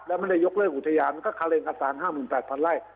แล้วมันได้ยกเลือกอุทยานก็คาเร็งคาสาร๕๘๐๐๐ไล่